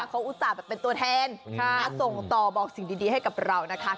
เขาอุตส่าห์แบบเป็นตัวแทนส่งต่อบอกสิ่งดีให้กับเรานะคะ